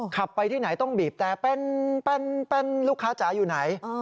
ขับไปที่ไหนต้องบีบแต่เป็นลูกค้าจ๋าอยู่ไหน